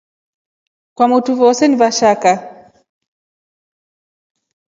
Mba kwamotu voose ni vashaka.